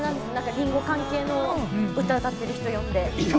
リンゴ関係の歌、歌ってる人呼んで。